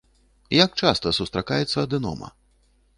Як часта сустракаецца адэнома?